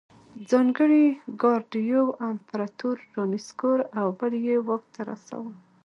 ځانګړي ګارډ یو امپرتور رانسکور او بل یې واک ته رساوه.